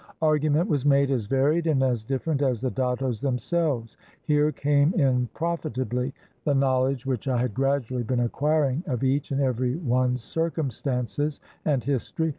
Argu ment was made as varied and as different as the dattos themselves. Here came in profitably the knowledge which I had gradually been acquiring of each and every one's circumstances and history.